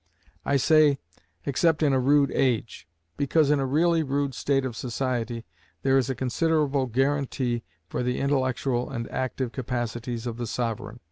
I say, except in a rude age, because in a really rude state of society there is a considerable guaranty for the intellectual and active capacities of the sovereign.